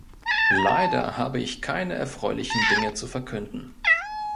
Leider habe ich keine erfreulichen Dinge zu verkünden.